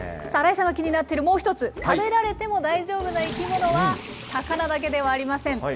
新井さんが気になっているもう一つ、食べられても大丈夫な生き物は、魚だけではありません。